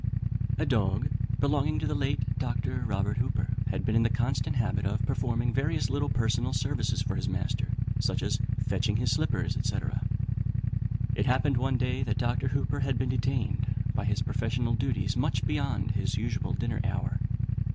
A dog, belonging to the late Dr. Robert Hooper, had been in the constant habit of performing various little personal services for his master, such as fetching his slippers, &c. It happened one day that Dr. Hooper had been detained by his professional duties much beyond his usual dinner hour.